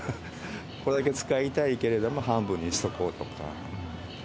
これだけ使いたいけれども、半分にしとこうとか。